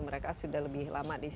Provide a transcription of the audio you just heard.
mereka sudah lebih lama